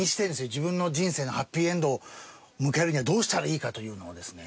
自分の人生のハッピーエンドを迎えるにはどうしたらいいか？というのをですね。